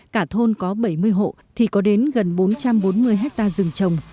cả thôn có bảy mươi hộ thì có đến gần bốn trăm bốn mươi hectare rừng trồng